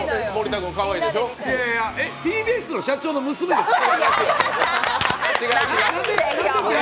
ＴＢＳの社長の娘ですか？